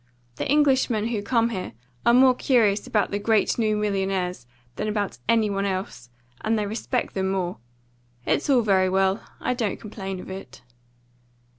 The Englishmen who come here are more curious about the great new millionaires than about any one else, and they respect them more. It's all very well. I don't complain of it."